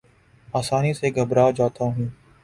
آسانی سے گھبرا جاتا ہوں